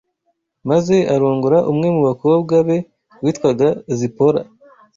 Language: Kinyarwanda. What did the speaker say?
maze arongora umwe mu bakobwa be witwaga Zipora